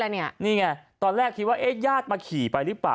นี่ไงตอนแรกคิดว่าญาติมาขี่ไปหรือเปล่า